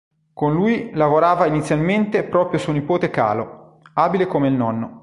Con lui lavorava inizialmente proprio suo nipote Calo, abile come il nonno.